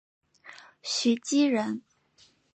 徐积人。